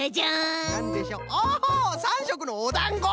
お３しょくのおだんご！